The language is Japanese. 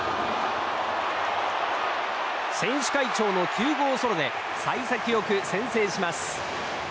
選手会長の９号ソロで幸先良く先制します。